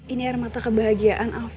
ini armata kebahagiaan afif